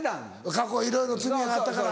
過去いろいろ罪があったから。